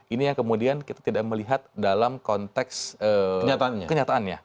ini yang kemudian kita tidak melihat dalam konteks kenyataannya